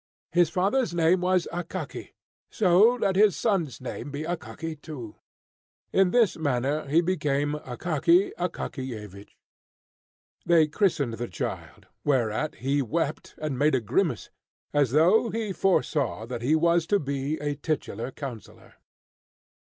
His father's name was Akaky, so let his son's name be Akaky too." In this manner he became Akaky Akakiyevich. They christened the child, whereat he wept, and made a grimace, as though he foresaw that he was to be a titular councillor.